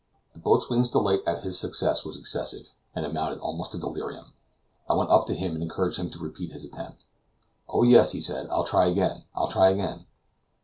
The boatswain's delight at his success was excessive, and amounted almost to delirium. I went up to him, and encouraged him to repeat his attempt. "Oh, yes," he said; "I'll try again. I'll try again."